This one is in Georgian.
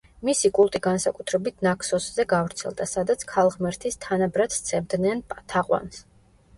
მისი კულტი განსაკუთრებით ნაქსოსზე გავრცელდა, სადაც ქალღმერთის თანაბრად სცემდნენ თაყვანს.